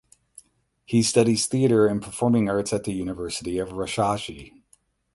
He Studies Theatre and Performing arts at the University of Rajshahi.